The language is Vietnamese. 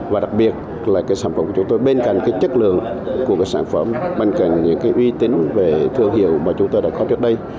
và đặc biệt là sản phẩm của chúng tôi bên cạnh chất lượng của sản phẩm bên cạnh những uy tín về thương hiệu mà chúng tôi đã có trước đây